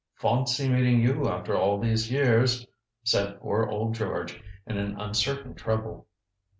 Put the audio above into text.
"Fawncy meeting you after all these years," said poor old George in an uncertain treble.